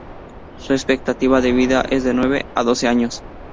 Su expectativa de vida es de nueve a doce años.